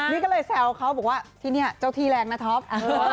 นี่ก็เลยแซวเขาบอกว่าที่นี่เจ้าที่แรงนะท็อป